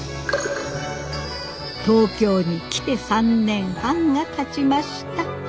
東京に来て３年半がたちました。